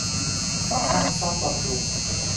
ช่างซ่อมบำรุง